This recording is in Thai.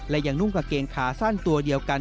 และยังนุ่งกางเกงขาสั้นตัวเดียวกัน